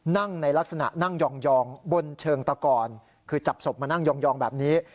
นั่งในลักษณะนั่งยองบนเชิงตะกอนคือจับศพมานั่งยองแบบนี้